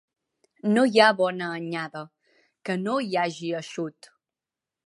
No hi ha bona anyada, que no hi hagi eixut.